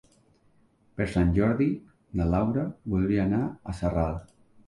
Per Sant Jordi na Laura voldria anar a Sarral.